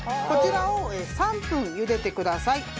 こちらを３分ゆでてください。